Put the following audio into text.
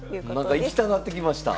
なんか行きたなってきました。